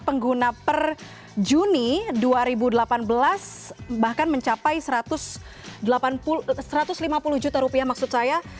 pengguna per juni dua ribu delapan belas bahkan mencapai satu ratus lima puluh juta rupiah maksud saya